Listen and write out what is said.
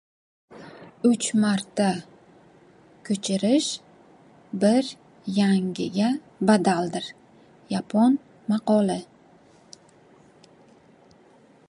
Uch marta ko‘chish bir yangiga badaldir. Yapon maqoli